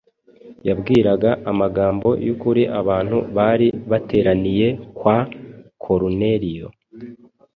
yabwiraga amagambo y’ukuri abantu bari bateraniye kwa Koruneriyo